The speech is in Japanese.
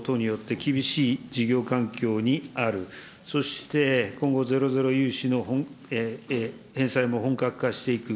中小企業、新型コロナ、物価高騰によって厳しい事業環境にある、そして、今後ゼロゼロ融資の返済も本格化していく。